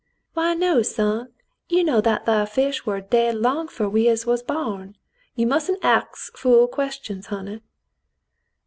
'^" "^Vhy no, son, you know that thar fish war dade long 'fore we uns war born. You mustn't ax fool questions, honey."